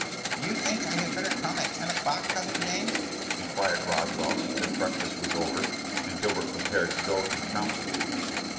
"Do you think I had better come in at ten o'clock, Cousin James?" inquired Roswell, as breakfast was over, and Gilbert prepared to go to the counting room.